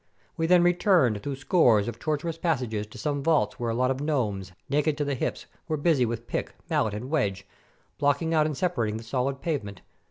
We then returned through scores of tortuous passages to some vaults where a lot of gnomes, naked to the hips, were busy with pick, mallet, and wedge, blocking out and separating the solid pavement.